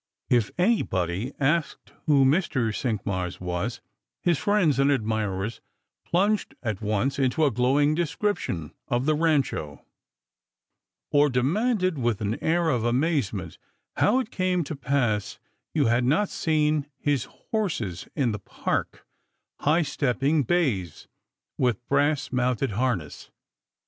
If anybody asked who Mr. Cinqmars was, his friends and admirers plunged at once into a glowing description of the Eancho, or demanded with an air of amazement how it came to pass you had not seen his horses in the park — high stepping bays, with brass mounted harness.